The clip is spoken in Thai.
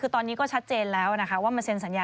ตอนนี้ก็ชัดเจนแล้วว่ามาเสนสัญญา